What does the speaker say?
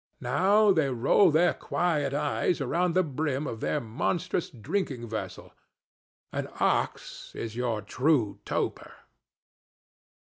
Now they roll their quiet eyes around the brim of their monstrous drinking vessel. An ox is your true toper.